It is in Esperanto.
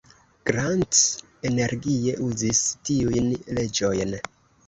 Grant energie uzis tiujn leĝojn.